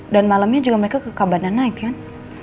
dan malamnya juga mereka kekabar naik kan